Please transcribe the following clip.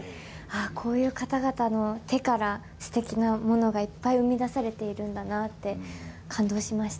こういう方々の手からすてきなものがいっぱい生み出されているんだなって、感動しました。